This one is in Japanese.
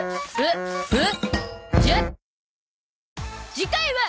次回は